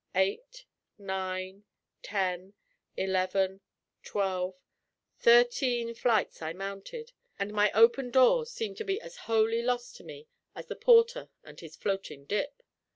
Eight, nine, ten, eleven, twelve, thirteen flights I mounted; and my open door seemed to be as wholly lost to me as the porter and his floating dip.